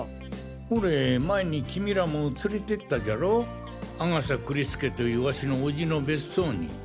ホレ前に君らも連れてったじゃろ阿笠栗介というワシの伯父の別荘に。